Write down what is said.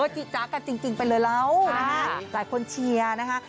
จิจ๊ะกันจริงไปเลยแล้วนะคะหลายคนเชียร์นะคะ